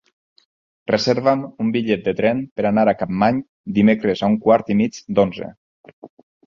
Reserva'm un bitllet de tren per anar a Capmany dimecres a un quart i mig d'onze.